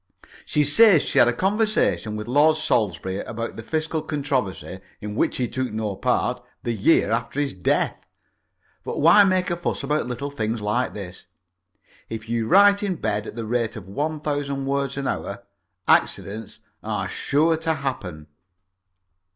She says that she had a conversation with Lord Salisbury about the fiscal controversy, in which he took no part, the year after his death. But why make a fuss about little things like this? If you write in bed at the rate of one thousand words an hour, accidents are sure to happen.